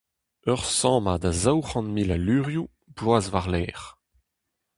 Ur sammad a zaou c'hant mil a lurioù, bloaz war-lerc'h.